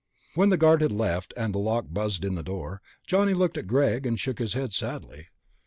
When the guard had left, and the lock buzzed in the door, Johnny looked at Greg and shook his head sadly.